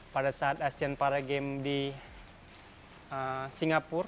pada saat asean para games di singapura